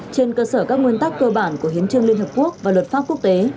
trên cơ sở các nguyên tắc cơ bản của hiến trương liên hợp quốc và luật pháp quốc tế